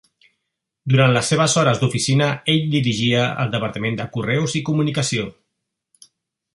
Durant les seves hores d'oficina ell dirigia el Departament de Correus i Comunicació.